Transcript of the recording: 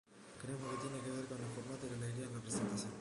Creemos que tiene que ver con el formato y la alegría en la presentación.